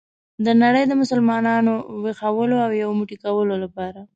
د نړۍ د مسلمانانو ویښولو او یو موټی کولو لپاره.